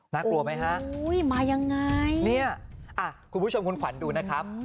กลัวไหมฮะมายังไงเนี่ยคุณผู้ชมคุณขวัญดูนะครับ